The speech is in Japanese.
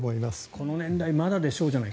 この年代まだでしょうじゃない。